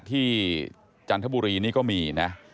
จันทบุรีนี่ก็มีนะ